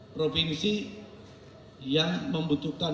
provinsi yang membutuhkan